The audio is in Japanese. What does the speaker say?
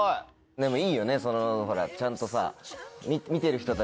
でもいいよねちゃんとさ。